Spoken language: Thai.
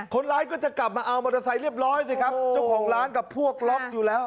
คนร้ายก็จะกลับมาเอามอเตอร์ไซค์เรียบร้อยสิครับเจ้าของร้านกับพวกล็อกอยู่แล้ว